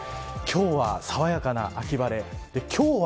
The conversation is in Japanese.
今日は爽やかな秋晴れ。